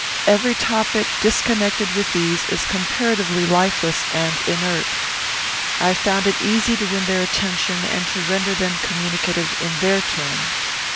Every topic disconnected with these is comparatively lifeless and inert. I found it easy to win their attention, and to render them communicative in their turn.